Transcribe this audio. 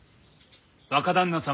若旦那様